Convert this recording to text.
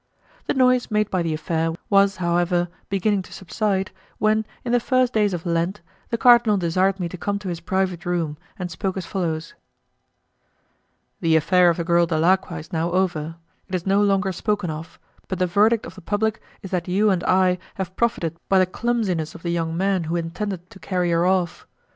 The noise made by the affair was, however, beginning to subside, when, in the first days of Lent, the cardinal desired me to come to his private room, and spoke as follows: "The affair of the girl Dalacqua is now over; it is no longer spoken of, but the verdict of the public is that you and I have profited by the clumsiness of the young man who intended to carry her off.